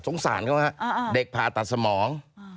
สงสารเขาฮะเด็กผ่าตัดสมอง